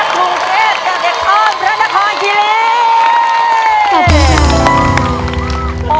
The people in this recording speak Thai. คุณแพ้มคุณเจศกับเด็กอ้อมรันดคลอนคิรี